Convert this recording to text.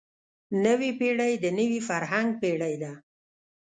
نوې پېړۍ د نوي فرهنګ پېړۍ ده.